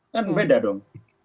kan beda dong